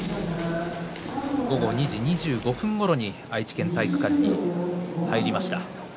午後２時２５分ごろに愛知県体育館に入りました。